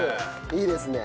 いいですね。